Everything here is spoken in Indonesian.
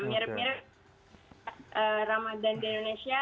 mirip mirip ramadan di indonesia